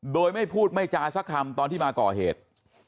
โดยไม่พูดไม่จาสักคำตอนที่มาก่อเหตุ